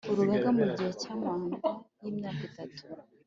Urugaga mu gihe cya manda y imyaka itatu